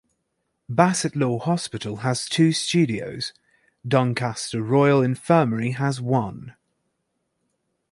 Bassetlaw Hospital has two studios, Doncaster Royal Infirmary has one.